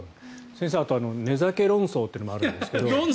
先生、あとは寝酒論争っていうのもあるんですけど。